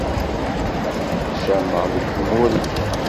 Neḥcameɣ deg umur-ik.